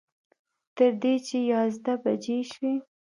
تر دې چې یازده بجې شوې.